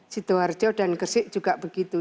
sidoarjo dan gresik juga begitu